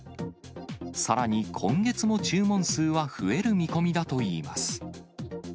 さらに今月も注文数は増える見込みだといいます。